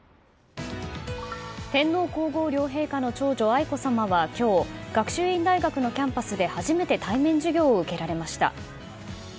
天皇・皇后両陛下の長女・愛子さまは今日、学習院大学のキャンパスで初めて対面授業を受けられました。